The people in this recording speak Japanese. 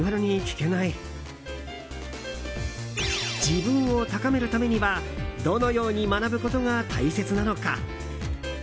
自分を高めるためにはどのように学ぶことが大切なのか。